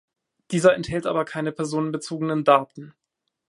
Dieser enthält aber keine personenbezogenen Daten.